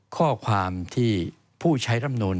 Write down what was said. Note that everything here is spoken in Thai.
ข้อความที่ผู้ใช้รำนวลเนี่ย